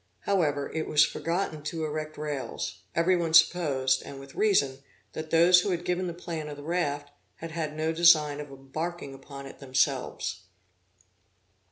However, it was forgotten to erect rails, every one supposed, and with reason, that those who had given the plan of the raft, had had no design of embarking upon it themselves.